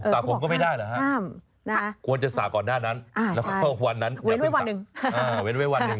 สระผมก็ไม่ได้นะฮะควรจะสระก่อนหน้านั้นแล้วก็วันนั้นอย่าพึ่งสระวันไว้วันหนึ่ง